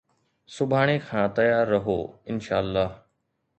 سڀاڻي کان تيار رهو، انشاءَ الله